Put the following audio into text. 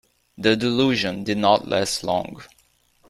The delusion did not last long.